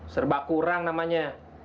serba kurang namanya